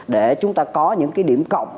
để chúng ta có những điểm cộng